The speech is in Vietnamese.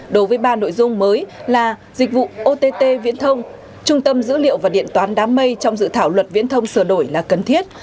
dùng mới là dịch vụ ott viễn thông trung tâm dữ liệu và điện toán đám mây trong dự thảo luật viễn thông sửa đổi là cần thiết